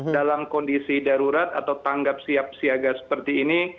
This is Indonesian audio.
dalam kondisi darurat atau tanggap siap siaga seperti ini